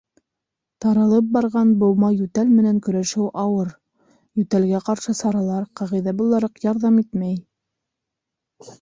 Таралып барған быума йүтәл менән көрәшеү ауыр, йүтәлгә ҡаршы саралар, ҡағиҙә булараҡ, ярҙам итмәй.